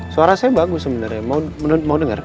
suara saya bagus sebenernya mau denger